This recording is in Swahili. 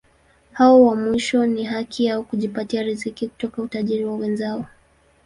Hao wa mwisho ni haki yao kujipatia riziki kutoka utajiri wa wenzao.